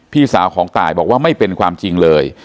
พี่สาวของตายบอกว่าไม่เป็นความจริงเลย